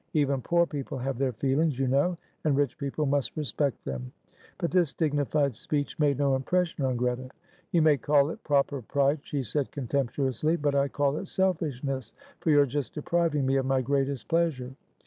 Even poor people have their feelings, you know, and rich people must respect them." But this dignified speech made no impression on Greta. "You may call it proper pride," she said, contemptuously, "but I call it selfishness, for you are just depriving me of my greatest pleasure.